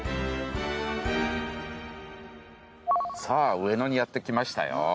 さあ上野にやってきましたよ。